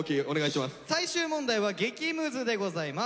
最終問題は激ムズでございます。